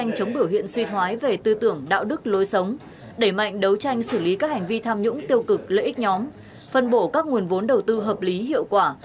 những tiêu cực lợi ích nhóm phân bổ các nguồn vốn đầu tư hợp lý hiệu quả